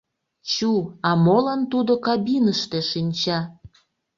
Чу, а молан тудо кабиныште шинча?